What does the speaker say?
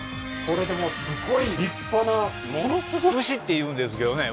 これでもすごい立派なものすごい牛っていうんですけどね